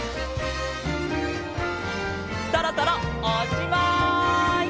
そろそろおっしまい！